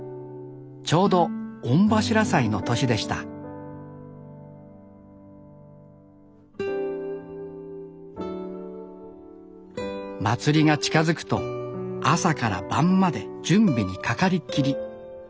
ちょうど御柱祭の年でした祭りが近づくと朝から晩まで準備にかかりっきり。